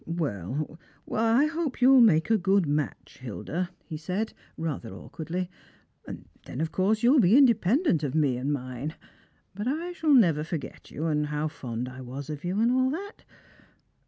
276 Strangers and Pilgrims. " Well, I hope you'll make a good match, Hilda," he said, rather awkwardly, " and then, of course, you'll be independent of me and mine ; but I shall never forget you, and how fond I was of you, and all that.